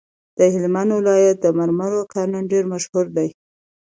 د هلمند ولایت د مرمرو کانونه ډیر مشهور دي.